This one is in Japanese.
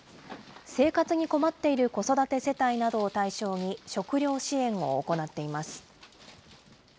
生活に困っている子育て世帯などを対象に、食料支援を行っています。